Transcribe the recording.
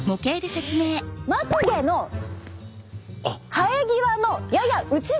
まつげの生え際のやや内側！